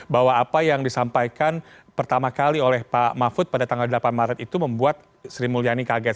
bahwa apa yang disampaikan pertama kali oleh pak mahfud pada tanggal delapan maret itu membuat sri mulyani kaget